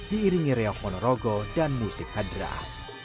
diiringi reok monorogo dan musik hadrah